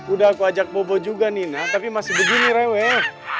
udah aku ajak bobo juga nina tapi masih begini rewel